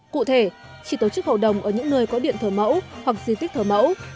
cụ thể chỉ tổ chức hầu đồng ở những nơi có điện thờ mẫu hoặc di tích thờ mẫu